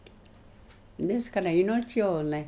ですから命をね